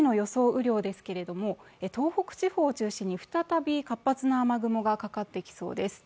雨量ですけれども、東北地方を中心に再び活発な雨雲がかかってきそうです。